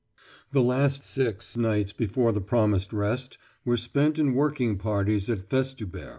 The last six nights before the promised rest were spent in working parties at Festubert.